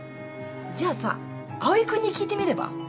じゃあさ葵君に聞いてみれば？